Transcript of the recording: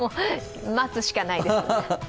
待つしかないです。